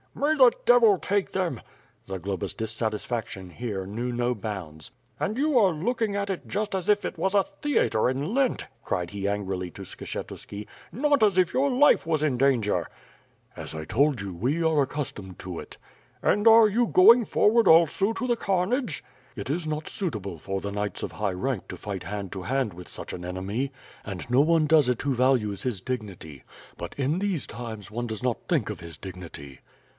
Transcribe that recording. *' "May the devil take them. ..." Zagloba's dissatisfaction here, knew no bounds. "And you are looking at it just as if it was a theatre in Lent," cried he angrily to Skshetuski, "not as if your life was in danger." "As I told you, we are accustomed to it" WITH FIRE AND SWORD, 33 j "And are you going forward also to the carnage?" "It is not suitable for the knights of high rank to fight hand to hand with such an enemy, and no one does it who values his dignity. But in these times, one does not think of his dignity.